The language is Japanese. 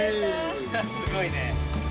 すごいね。